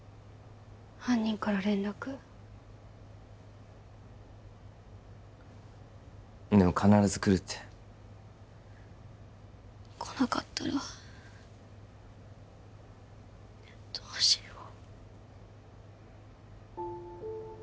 犯人から連絡でも必ずくるってこなかったらどうしよう